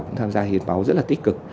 cũng tham gia hiến máu rất là tích cực